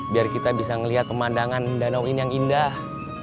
biar kita bisa melihat pemandangan danau ini yang indah